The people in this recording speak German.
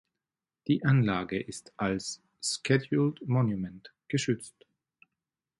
Die Anlage ist als Scheduled Monument geschützt.